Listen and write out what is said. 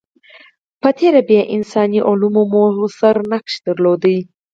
په تېره بیا انساني علوم موثر نقش درلودلی.